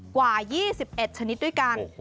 กว่า๒๑ชนิดด้วยกัน